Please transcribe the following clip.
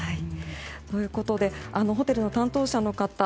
ということでホテルの担当者の方